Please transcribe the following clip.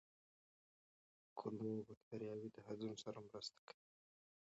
کولمو بکتریاوې د هضم سره مرسته کوي.